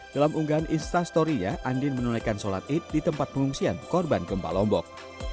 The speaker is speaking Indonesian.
dalam unggahan instastorynya andin menulikan sholat id di tempat pengungsian korban gempa lombok